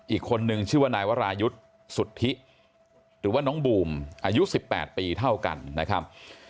อีกคนนึงชื่อว่านายวรายุทธ์สุทธิหรือว่าน้องบูมอายุ๑๘ปีเท่ากันนะครับ